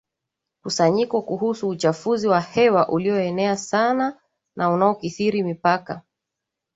Kusanyiko kuhusu Uchafuzi wa Hewa Ulioenea Sana na Unaokithiri Mipaka